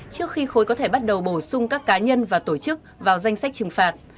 trước khi khối có thể bắt đầu bổ sung các cá nhân và tổ chức vào danh sách trừng phạt